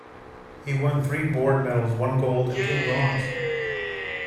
He won three board medals, one gold and two bronze.